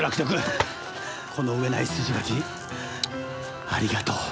この上ない筋書きありがとう。